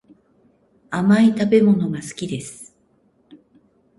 甘い食べ物が好きです